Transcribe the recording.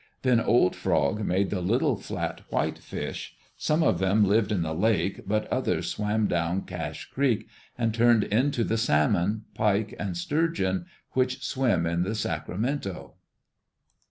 Then Old Frog made the little flat whitefish. Some of them lived in the lake, but others swam down Cache Creek, and turned into the salmon, pike, and sturgeon which swim in the Sacramento.